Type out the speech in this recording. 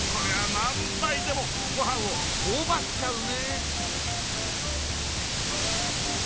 何杯でもご飯をほおばっちゃうね！